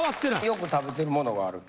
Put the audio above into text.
よく食べてるものがあると。